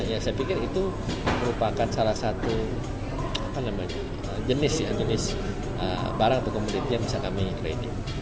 ya saya pikir itu merupakan salah satu jenis barang atau komoditi yang bisa kami training